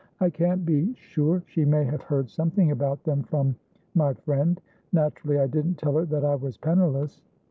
"I can't be sure. She may have heard something about them frommy friend. Naturally, I didn't tell her that I was penniless."